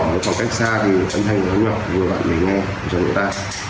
một khoảng cách xa thì âm thanh nó nhỏ vừa bạn để nghe cho người ta